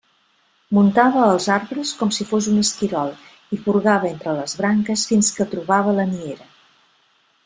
Muntava als arbres com si fos un esquirol i furgava entre les branques fins que trobava la niera.